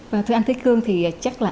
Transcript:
và thưa anh thế cương thì chắc là